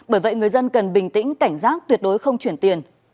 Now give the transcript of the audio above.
bởi vậy người dân cần bình tĩnh cảnh giác tuyệt đối không chuyển tiền